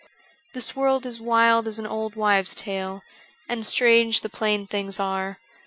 This world is wild as an old wives' tale, And strange the plain things are.